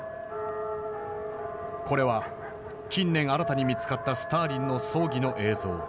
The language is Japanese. これは近年新たに見つかったスターリンの葬儀の映像。